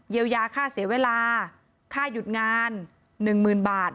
ยายาค่าเสียเวลาค่าหยุดงาน๑๐๐๐บาท